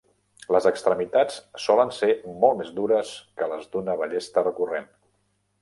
Les extremitats solen ser molt més dures que les d'una ballesta recurrent.